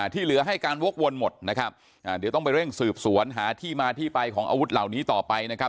ที่เหลือให้การวกวนหมดนะครับเดี๋ยวต้องไปเร่งสืบสวนหาที่มาที่ไปของอาวุธเหล่านี้ต่อไปนะครับ